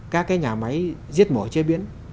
các cái nhà máy diết mổ chế biến